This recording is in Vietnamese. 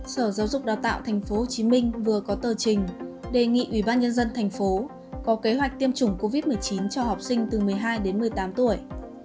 sở giáo dục và đào tạo thành phố hồ chí minh vừa có tờ trình đề nghị ủy ban nhân dân thành phố có kế hoạch tiêm chủng covid một mươi chín cho học sinh từ một mươi hai đến một mươi tám tuổi